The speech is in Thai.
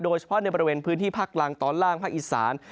โดยเฉพาะในบริเวณพื้นที่ภาคล่างตอนล่างภาคอีสาน